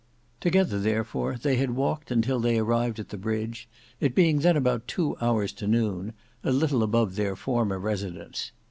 Together therefore they had walked until they arrived at the bridge, it being then about two hours to noon, a little above their former residence.